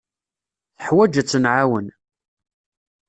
Teḥwaj ad tt-nɛawen.